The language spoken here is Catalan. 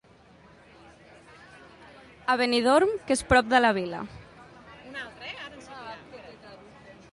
A Benidorm, que és prop de la Vila.